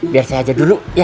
biar saya aja dulu